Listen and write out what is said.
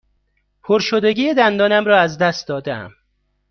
پرشدگی دندانم را از دست داده ام.